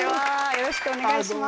よろしくお願いします